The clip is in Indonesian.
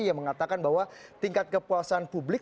yang mengatakan bahwa tingkat kepuasan publik